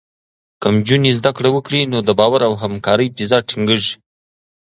که نجونې زده کړه وکړي، نو د باور او همکارۍ فضا ټینګېږي.